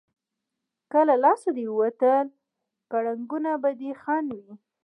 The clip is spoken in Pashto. که له لاسه دې ووتل، کړنګونه به دې خنډ وي.